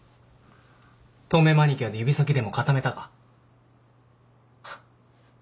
透明マニキュアで指先でも固めたか？